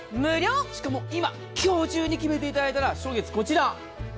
しかも今今日中に決めていただいたら初月、こちら。